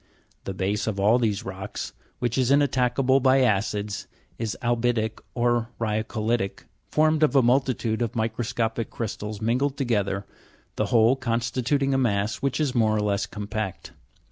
The base of all these rocks, which is inattackable by acids, is albi'tic or ryacoli'tic, formed of a multitude of microscopic crystals mingled together, the whole constituting a mass which is more or less compact.